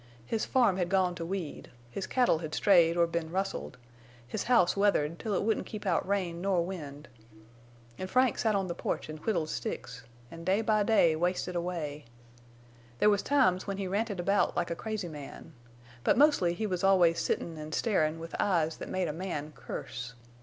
His farm had gone to weed, his cattle had strayed or been rustled, his house weathered till it wouldn't keep out rain nor wind. An' Frank set on the porch and whittled sticks, an' day by day wasted away. There was times when he ranted about like a crazy man, but mostly he was always sittin' an' starin' with eyes that made a man curse.